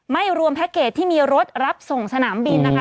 ไม่รวมแพ็คเกจที่มีรถรับส่งสนามบินนะคะ